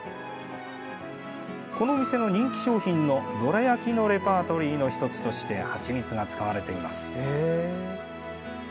このお店の人気商品のどら焼きのレパートリーの１つとして蜂蜜が使われています。